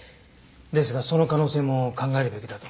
ですがその可能性も考えるべきだと。